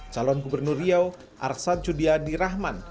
calon gubernur riau arsad judiyadi rahman